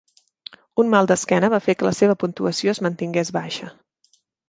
Un mal d'esquena va fer que la seva puntuació es mantingués baixa.